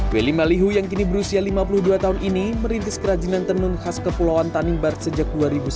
welly malihu yang kini berusia lima puluh dua tahun ini merintis kerajinan tenun khas kepulauan tanimbar sejak dua ribu sembilan belas